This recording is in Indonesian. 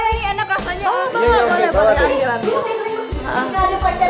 ini aku bawa ya ini enak rasanya